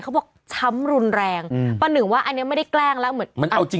เขาบอกช้ำรุนแรงประหนึ่งว่าอันนี้ไม่ได้แกล้งแล้วเหมือนอัดดู